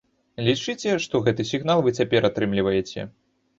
Лічыце, што гэты сігнал вы цяпер атрымліваеце.